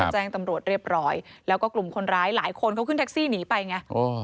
แจ้งตำรวจเรียบร้อยแล้วก็กลุ่มคนร้ายหลายคนเขาขึ้นแท็กซี่หนีไปไง